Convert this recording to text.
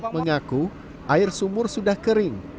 mengaku air sumur sudah kering